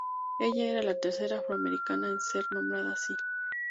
Ella era la tercera afroamericana en ser nombrada así.